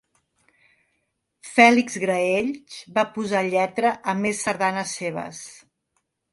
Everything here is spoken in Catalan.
Fèlix Graells va posar lletra a més sardanes seves.